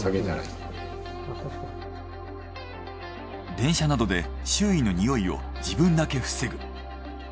電車などで周囲のにおいを自分だけ防ぐ。